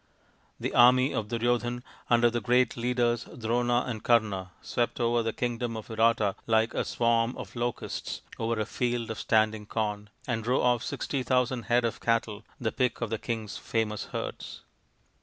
The army of Duryo dhan, under the great leaders Drona and Kama, swept over the kingdom of Virata like a swarm of locusts over a field of standing corn, and drove off sixty thousand head of cattle, the pick of the king's famous herds.